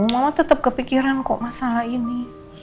mama tetap kepikiran kok masalah ini